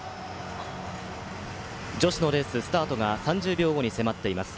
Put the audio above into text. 女子のレース、スタートが３０秒後に迫っています。